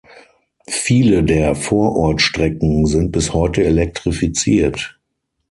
Viele der Vorortstrecken sind bis heute elektrifiziert.